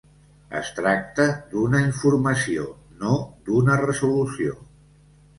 Es tracta d'una informació, no d'una resolució.